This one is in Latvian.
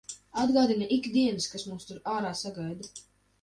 Atgādina ik dienas, kas mūs tur ārā sagaida.